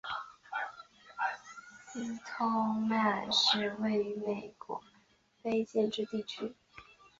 斯通曼湖是位于美国亚利桑那州可可尼诺县的一个非建制地区。